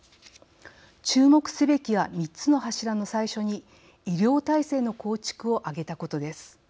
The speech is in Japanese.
注目すべきは、３つの柱の最初に医療体制の構築を挙げたことです。